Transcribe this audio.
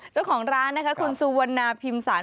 เจ้าของร้านนะคะคุณสุวรรณาพิมสาร